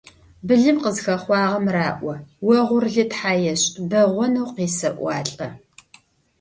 Былым къызыхэхъуагъэм раӀо: «Огъурылы тхьэ ешӀ!», «Бэгъонэу къесэӀуалӀэ.».